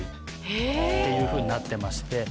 えぇ。っていうふうになってまして。